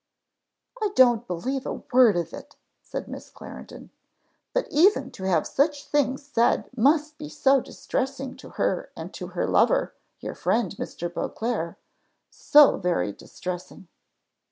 "I don't believe a word of it," said Miss Clarendon. "But even to have such things said must be so distressing to her and to her lover, your friend Mr. Beauclerc so very distressing!"